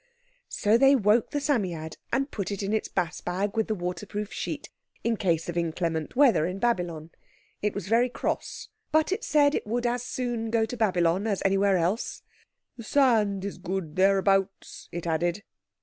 So they woke the Psammead and put it in its bass bag with the waterproof sheet, in case of inclement weather in Babylon. It was very cross, but it said it would as soon go to Babylon as anywhere else. "The sand is good thereabouts," it added.